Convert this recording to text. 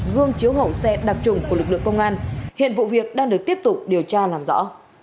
gương chiếu hậu xe đặc trùng của lực lượng công an hiện vụ việc đang được tiếp tục điều tra làm rõ